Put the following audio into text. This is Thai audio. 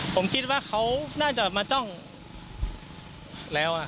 ผมคิดว่าเขาน่าจะมาจ้องแล้ว